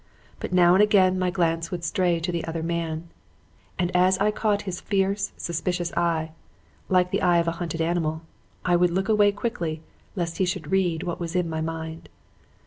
But now and again my glance would stray to the other man; and as I caught his fierce, suspicious eye like the eye of a hunted animal I would look away quickly lest he should read what was in my mind.